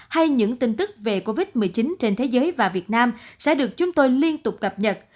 hay những tin tức về covid một mươi chín trên thế giới và việt nam sẽ được chúng tôi liên tục cập nhật